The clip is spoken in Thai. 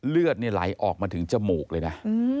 เลือดไหลออกมาถึงจมูกเลยนะ